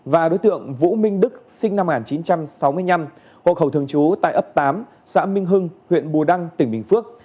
và đối tượng vũ minh đức sinh năm một nghìn chín trăm sáu mươi năm hộ khẩu thường trú tại ấp tám xã minh hưng huyện bù đăng tỉnh bình phước